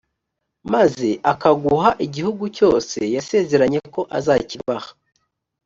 maze akaguha igihugu cyose yasezeranye ko azakibaha